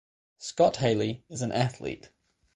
Scott Haley is an athlete.